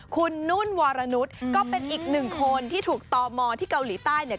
คุณนุ่นวรนุษย์ก็เป็นอีกหนึ่งคนที่ถูกตมที่เกาหลีใต้เนี่ย